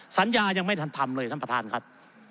สัญญายังไม่ทันทำเลยท่านประธานครับ